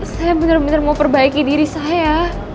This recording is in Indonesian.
saya bener bener mau perbaiki diri saya